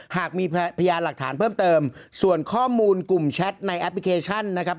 หากมีพยานหลักฐานเพิ่มเติมส่วนข้อมูลกลุ่มแชทในแอปพลิเคชันนะครับ